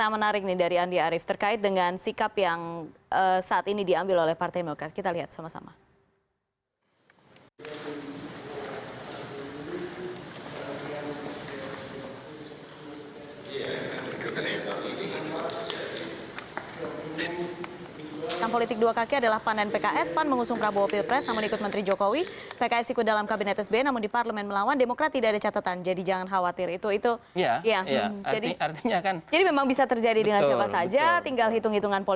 soal andi arief ini juga ada pernyataan menarik nih dari andi arief